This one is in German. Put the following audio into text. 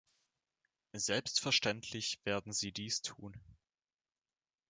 Selbstverständlich werden sie dies tun.